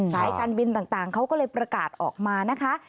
สายการบินต่างเขาก็เลยประกาศออกมานะคะ